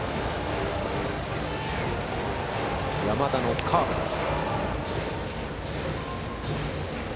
山田のカーブです。